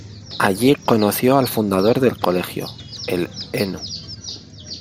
Allí conoció al fundador del colegio, el Hno.